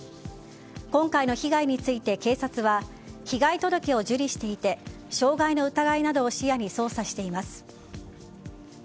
今回の被害について警察は被害届を受理していて傷害の疑いなどを視野に捜査しています。